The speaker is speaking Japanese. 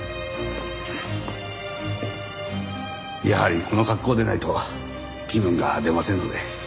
やはりこの格好でないと気分が出ませんので。